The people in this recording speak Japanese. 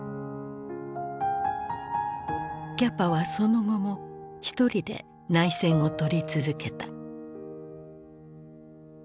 キャパはその後も一人で内戦を撮り続けた。